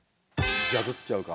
ジャズっちゃうか？